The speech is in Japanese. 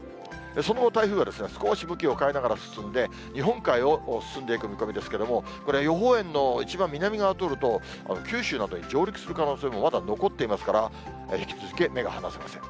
その後、台風は少し向きを変えながら進んで、日本海を進んでいく見込みですけども、これ、予報円の一番南側を通ると、九州などに上陸する可能性もまだ残っていますから、引き続き目が離せません。